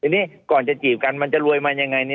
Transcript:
ทีนี้ก่อนจะจีบกันมันจะรวยมายังไง